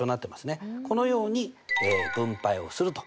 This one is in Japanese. このように分配をすると。